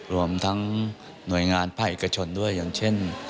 รวมทั้งหน่วยงานภาคเอกชนด้วยอย่างเช่น